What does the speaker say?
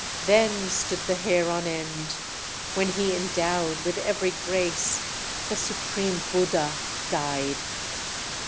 Then stood the hair on end! When he endowed with every grace The supreme Buddha died!"